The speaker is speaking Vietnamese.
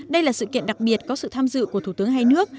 đây là sự kiện đặc biệt có sự tham dự của thủ tướng hai nước